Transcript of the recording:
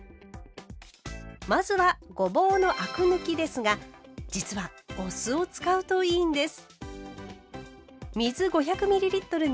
まずはごぼうのアク抜きですが実はお酢を使うといいんです。